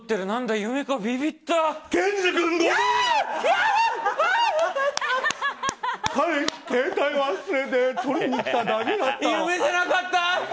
夢じゃなかった！